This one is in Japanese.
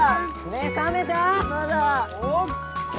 目覚めた？